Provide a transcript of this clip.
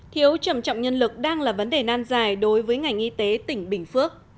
thiếu trầm trọng nhân lực đang là vấn đề nan dài đối với ngành y tế tỉnh bình phước